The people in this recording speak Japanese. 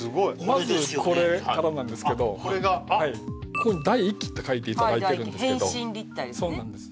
まずこれからなんですけどこれがあっここに第１期って書いていただいてるんですけど変身立体ですねそうなんです